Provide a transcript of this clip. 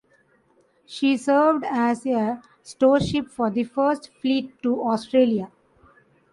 She served as a storeship for the First Fleet to Australia.